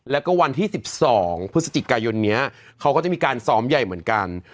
แล้วก็วันที่๑๒พฤศจิกายนนี้เขาก็จะมีการซ้อมใหญ่เหมือนกัน